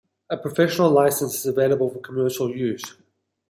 A professional license is available for commercial use.